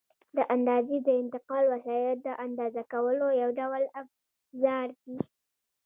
د اندازې د انتقال وسایل د اندازه کولو یو ډول افزار دي.